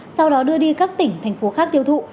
sau đó đưa đi các tỉnh thành phố khác tiêu thụ